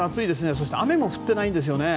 そして雨も降ってないんですよね。